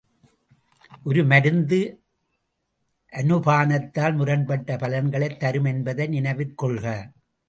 ஒரு மருந்து அனுபானத்தால் முரண்பட்ட பலன்களைத் தரும் என்பதை நினைவிற் கொள்க.